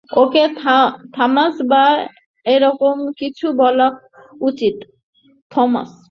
ওকে Thomas বা এরকম কিছু বলা উচিত।